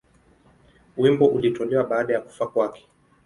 Wimbo ulitolewa baada ya kufa kwake.